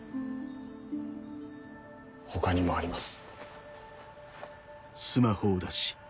他にもあります。